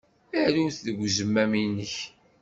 Aru-t deg uzmam-nnek.